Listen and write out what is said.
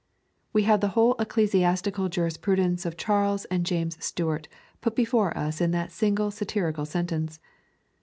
We have the whole ecclesiastical jurisprudence of Charles and James Stuart put before us in that single satirical sentence.